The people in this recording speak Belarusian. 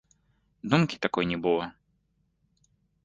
Думкі такой не было.